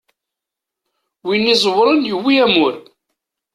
Win iẓewren yewwi amur.